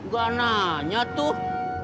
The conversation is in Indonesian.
gak nanya tuh